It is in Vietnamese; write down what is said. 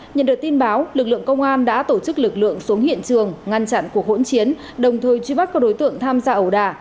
nhận được tin báo lực lượng công an đã tổ chức lực lượng xuống hiện trường ngăn chặn cuộc hỗn chiến đồng thời truy bắt các đối tượng tham gia ẩu đà